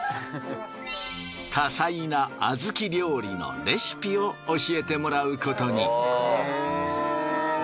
多彩な小豆料理のレシピを教えてもらうことに。